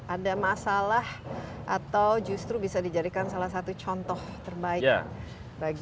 ada masalah atau justru bisa dijadikan salah satu contoh terbaik